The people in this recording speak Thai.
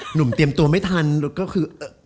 หนุ่มเตรียมตัวไม่ทันก็คือ